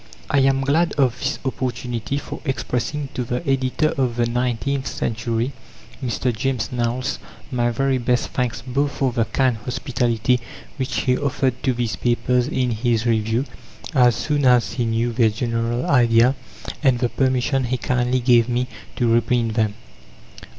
I am glad of this opportunity for expressing to the editor of the Nineteenth Century, Mr. James Knowles, my very best thanks, both for the kind hospitality which he offered to these papers in his review, as soon as he knew their general idea, and the permission he kindly gave me to reprint them.